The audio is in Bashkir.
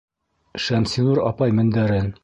Шәмсинур апай мендәрен